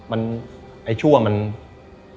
ไอ้ชั่วนะคะ